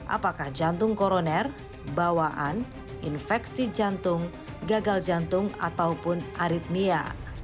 apakah jantung koroner bawaan infeksi jantung gagal jantung ataupun aritmia